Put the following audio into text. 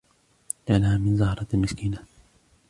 يا لها من زهرة مسكينة.